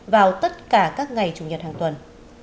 vào tất cả các ngày chủ nhật hàng tuần